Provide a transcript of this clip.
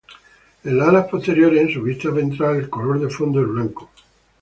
En las alas posteriores en su vista ventral, el color de fondo es blanco.